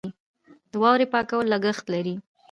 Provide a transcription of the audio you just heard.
د واورې پاکول لګښت لري.